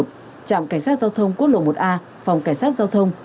trạm cảnh sát giao thông quốc lộ một a phòng cảnh sát giao thông